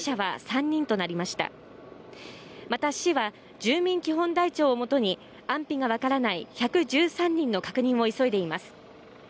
熱海市は住民基本台帳をもとに安否がわからない１１３人の確認を急いでいます。